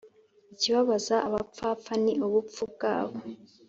ikibabaza abapfapfa ni ubupfu bwabo